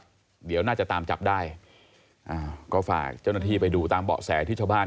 เดี๋ยวน่าจะตามจับได้อ่าก็ฝากเจ้าหน้าที่ไปดูตามเบาะแสที่ชาวบ้าน